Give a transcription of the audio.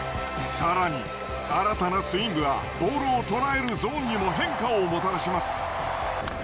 さらに新たなスイングはボールをとらえるゾーンにも変化をもたらします。